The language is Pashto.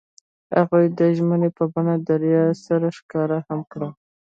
هغوی د ژمنې په بڼه دریا سره ښکاره هم کړه.